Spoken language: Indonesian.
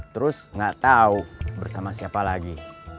terus gak tau bersama siapa lagi